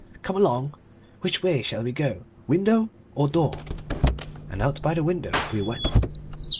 Come along! Which way shall we go? Window, or door?" And out by the window we went.